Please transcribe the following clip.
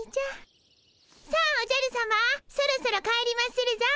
さあおじゃるさまそろそろ帰りまするぞ。